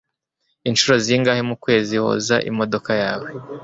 Inshuro zingahe mukwezi woza imodoka yawe?